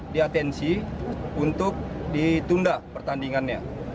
diatensi untuk ditunda pertandingannya